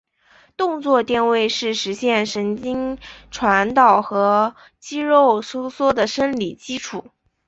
动作电位是实现神经传导和肌肉收缩的生理基础。